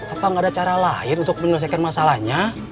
apa nggak ada cara lain untuk menyelesaikan masalahnya